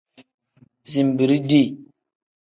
Zinbiri dii.